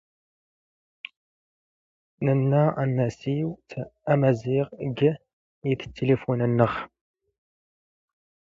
ⵏⵍⴰ ⴰⵏⴰⵙⵉⵡ ⴰⵎⴰⵣⵉⵖ ⴷⴳ ⵉⴷ ⵜⵜⵉⵍⵉⴼⵓⵏ ⵏⵏⵖ.